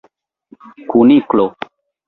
Kuniklo!